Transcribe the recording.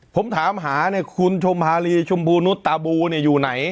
ผมถามหาคุณชมฮารีชมภูมิหนูตาบูนี่อยู่ไหน